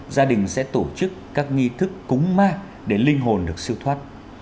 gia đình sẽ tổ chức các nghi thức cúng ma để linh hồn được siêu thoát